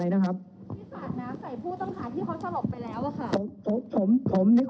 แต่ถ้าดูประสบการณ์คือเป็นถึงผู้บังคับปัญชาในสถานีอย่างนี้ค่ะ